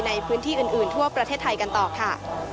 ในพื้นที่อื่นทั่วประเทศไทยกันต่อค่ะ